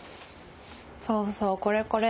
そうそうこれこれ！